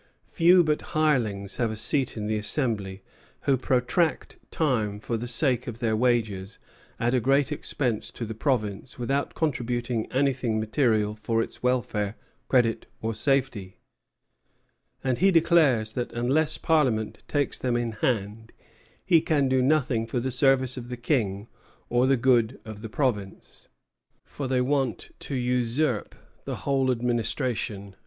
Few but hirelings have a seat in the Assembly, who protract time for the sake of their wages, at a great expence to the Province, without contributing anything material for its welfare, credit, or safety." And he declares that unless Parliament takes them in hand he can do nothing for the service of the King or the good of the province, [Footnote: Clinton to the Lords of Trade, 30 Nov. 1745.] for they want to usurp the whole administration, both civil and military.